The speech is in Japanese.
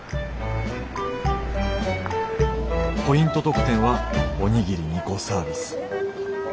ポイント特典はおにぎり２個サービス。